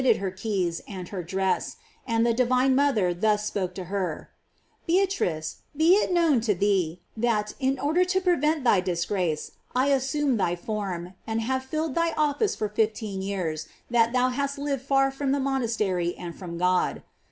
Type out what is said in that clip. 225 her keys, and her dress, and the divine mother thus spoke to her: "Beatrice, be it known to thee that, in order to prevent thy disgrace, I assumed thy form, and have filled thy office for the fifteen years that thou hast lived far from the monastery and from God.